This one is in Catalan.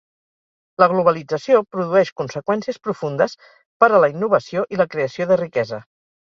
La globalització produeix conseqüències profundes per a la innovació i la creació de riquesa.